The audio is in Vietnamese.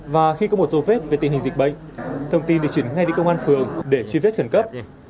và khi có một dấu vết về tình hình dịch bệnh thông tin được chuyển ngay đến công an phường để truy vết khẩn cấp